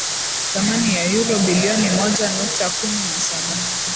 thamani ya euro bilioni moja nukta kumi na saba